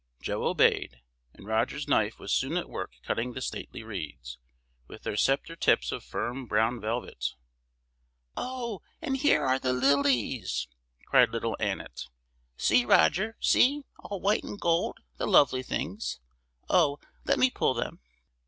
Joe obeyed, and Roger's knife was soon at work cutting the stately reeds, with their sceptre tips of firm, brown velvet. "Oh, and here are the lilies!" cried little Annet. "See, Roger! see! all white and gold, the lovely things! Oh, let me pull them!"